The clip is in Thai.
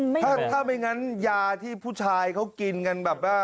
ถ้าไม่งั้นยาที่ผู้ชายเขากินกันแบบว่า